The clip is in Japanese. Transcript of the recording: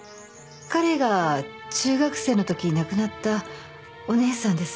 彼が中学生のときに亡くなったお姉さんです。